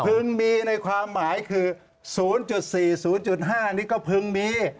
มีในความหมายคือ๐๔๐๕นี่ก็พึงมี